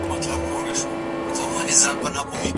سپیني خولې دي مزه راکړه داسي ټک دي سو د شونډو